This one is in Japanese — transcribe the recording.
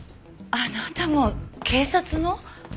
あなたも警察の？